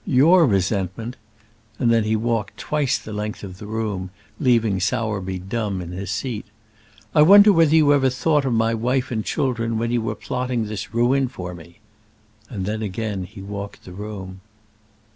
Your resentment!" and then he walked twice the length of the room, leaving Sowerby dumb in his seat. "I wonder whether you ever thought of my wife and children when you were plotting this ruin for me!" And then again he walked the room.